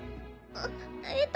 あっえっと